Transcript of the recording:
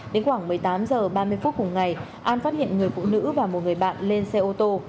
đến khoảng một mươi tám h ba mươi phút cùng ngày an phát hiện người phụ nữ và một người bạn lên xe ô tô